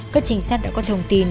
các trinh sát đã có thông tin